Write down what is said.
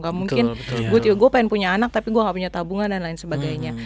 gak mungkin guet yo gue pengen punya anak tapi gue gak punya tabungan dan lain sebagainya